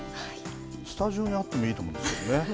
スタジオにあってもいいと思うんですけどね。